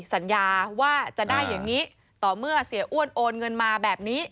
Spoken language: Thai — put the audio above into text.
สัญญาว่าจะได้อย่างนี้ต่อเมื่อเสียอ้วนโอนเงินมาแบบนี้